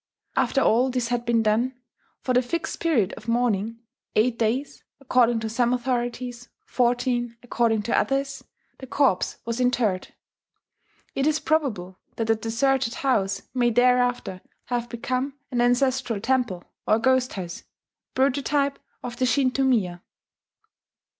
After all this had been done for the fixed period of mourning eight days, according to some authorities, fourteen according to others the corpse was interred. It is probable that the deserted house may thereafter have become an ancestral temple, or ghost house, prototype of the Shinto miya.